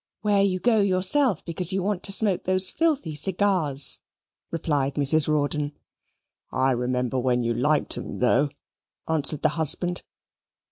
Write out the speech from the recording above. "Where you go yourself because you want to smoke those filthy cigars," replied Mrs. Rawdon. "I remember when you liked 'em though," answered the husband.